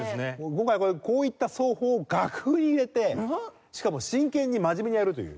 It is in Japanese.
今回こういった奏法を楽譜に入れてしかも真剣に真面目にやるという。